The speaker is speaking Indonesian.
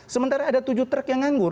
sementara ada tujuh truk yang nganggur